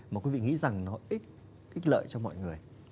mà quý vị nghĩ rằng nó ít lợi cho mọi người